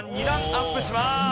２段アップします。